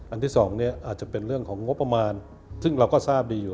ที่สองเนี่ยอาจจะเป็นเรื่องของงบประมาณซึ่งเราก็ทราบดีอยู่